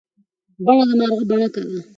بڼه د مارغه بڼکه ده.